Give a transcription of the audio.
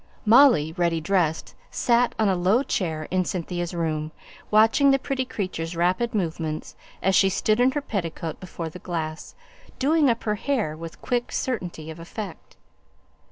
Molly, ready dressed, sate on a low chair in Cynthia's room, watching the pretty creature's rapid movements, as she stood in her petticoat before the glass, doing up her hair, with quick certainty of effect.